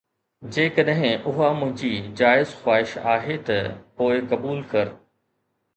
جيڪڏهن اها منهنجي جائز خواهش آهي ته پوءِ قبول ڪر